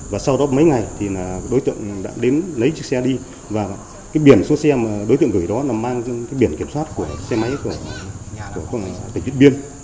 và sau đó mấy ngày đối tượng đã lấy chiếc xe đi và đối tượng gửi đó mang biển kiểm soát của xe máy của tỉnh điện biên